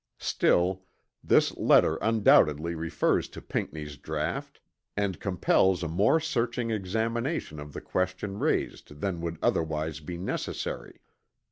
Still this letter undoubtedly refers to Pinckney's draught and compels a more searching examination of the question raised than would otherwise be necessary.